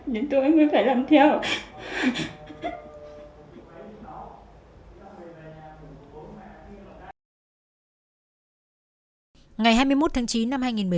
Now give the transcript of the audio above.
để ép mẩy liên lạc với các con